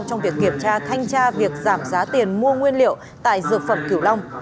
trong việc kiểm tra thanh tra việc giảm giá tiền mua nguyên liệu tại dược phẩm kiểu long